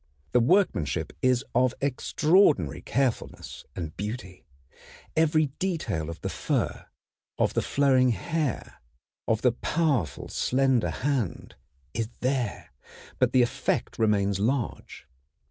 The workmanship is of extraordinary carefulness and beauty. Every detail of the fur, of the flowing hair, of the powerful, slender hand, is there; but the effect remains large.